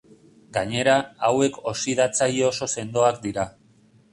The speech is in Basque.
Gainera, hauek oxidatzaile oso sendoak dira.